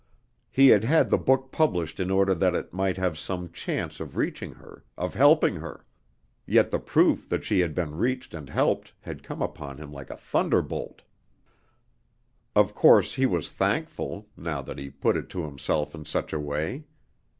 He had had the book published in order that it might have some chance of reaching her, of helping her; yet the proof that she had been reached and helped had come upon him like a thunderbolt. Of course he was thankful, now that he put it to himself in such a way.